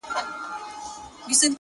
چي تلاوت وي ورته خاندي! موسيقي ته ژاړي